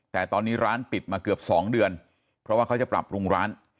แต่ตอนนี้ร้านปิดมาเกือบ๒เดือนเพราะว่าเขาจะปรับปรุงร้าน